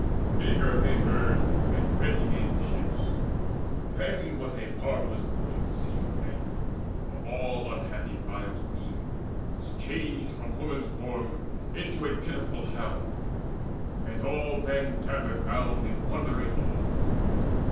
Eager they heard, and ready made the ships. Then was a marvellous portent seen of men; For all unhappy Priam's queen was changed From woman's form into a pitiful hound; And all men gathered round in wondering awe.